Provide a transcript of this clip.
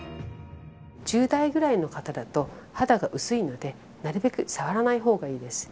１０代ぐらいの方だと肌が薄いのでなるべく触らない方がいいです。